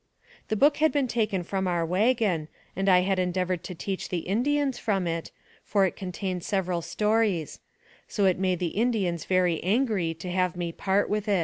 The book had been taken from our wagon, and I had endeavored to teach the Indians from it, for it contained several stories; so it made the Indians very angry to have me part with it.